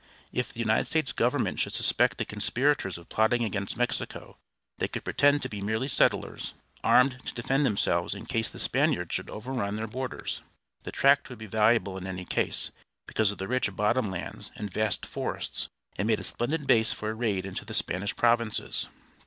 If the United States Government should suspect the conspirators of plotting against Mexico, they could pretend to be merely settlers, armed to defend themselves in case the Spaniards should overrun their borders. The tract would be valuable in any case, because of the rich bottom lands and vast forests, and made a splendid base for a raid into the Spanish provinces.